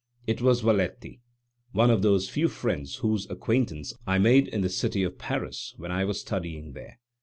It was Valetti, one of those few friends whose acquaintance I made in the city of Paris when I was studying there.